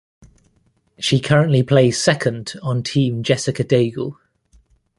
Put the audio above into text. She currently plays second on Team Jessica Daigle.